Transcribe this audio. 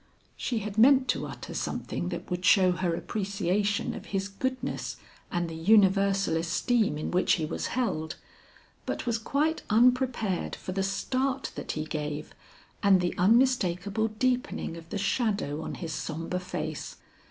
She had meant to utter something that would show her appreciation of his goodness and the universal esteem in which he was held, but was quite unprepared for the start that he gave and the unmistakable deepening of the shadow on his sombre face.